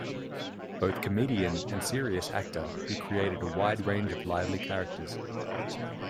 Both comedian and serious actor, he created a wide range of lively characters.